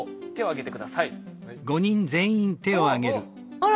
あら。